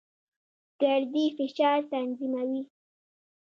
ګردې فشار تنظیموي.